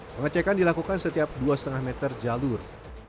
pengecekan dilakukan setiap dua lima meter jalur